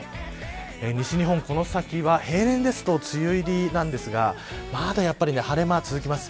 西日本、この先は平年だと梅雨入りなんですがまだやっぱり晴れ間が続きます。